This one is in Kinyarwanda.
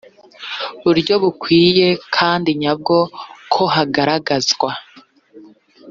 buryo bukwiye kandi nyabwo ko hagaragazwa